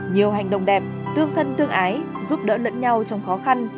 nhiều hành động đẹp tương thân tương ái giúp đỡ lẫn nhau trong khó khăn